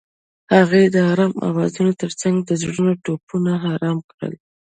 هغې د آرام اوازونو ترڅنګ د زړونو ټپونه آرام کړل.